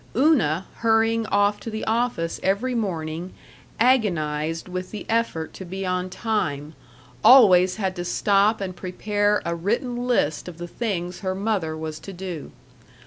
Una, hurrying off to the office every morning, agonized with the effort to be on time, always had to stop and prepare a written list of the things her mother was to do.